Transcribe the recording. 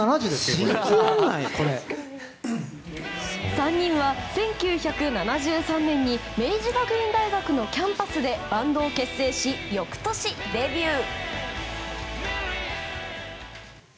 ３人は、１９７３年に明治学院大学のキャンパスでバンドを結成し、翌年デビュー。